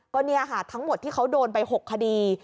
ก็เนี่ยค่ะทั้งหมดที่เขาโดนไป๖คดี